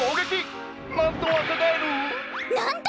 なんと！